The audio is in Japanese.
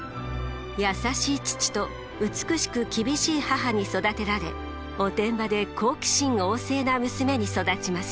優しい父と美しく厳しい母に育てられおてんばで好奇心旺盛な娘に育ちます。